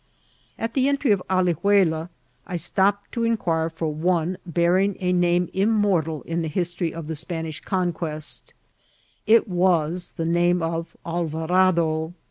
At the entry of Alihuela I stepped to inquire for one bearing a name immortal in the history of the Spanish eonque^ It was the name of Alvarado.